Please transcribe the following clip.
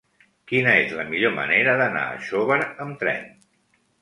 Quina és la millor manera d'anar a Xóvar amb tren?